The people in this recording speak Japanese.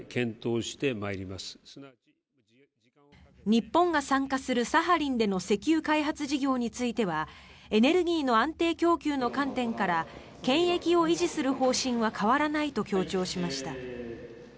日本が参加する、サハリンでの石油開発事業についてはエネルギーの安定供給の観点から権益を維持する方針は変わらないと強調しました。